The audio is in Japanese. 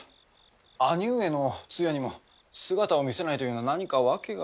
兄上の通夜にも姿を見せないというのは何か訳が。